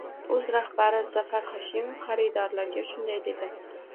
uz rahbari Zafar Hoshimov xaridorlarga shunday dedi: